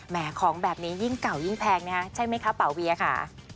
ของแบบนี้ยิ่งเก่ายิ่งแพงนะฮะใช่ไหมคะป่าเวียค่ะ